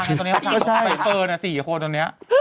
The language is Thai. ไปเปิ้ลนะ๔คนตรงนี้